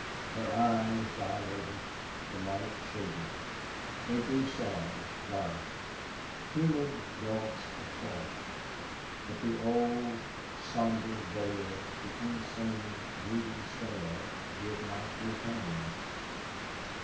Her eyes dilated the light shaded; they grew sad, dark, humid gulfs of thought. But the old, somber veil, the insane, brooding stare, did not return.